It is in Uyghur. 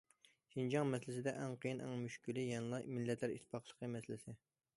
شىنجاڭ مەسىلىسىدە ئەڭ قىيىن، ئەڭ مۈشكۈلى يەنىلا مىللەتلەر ئىتتىپاقلىقى مەسىلىسى.